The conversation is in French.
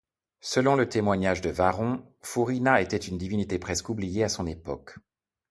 Selon le témoignage de Varron, Furrina était une divinité presque oubliée à son époque.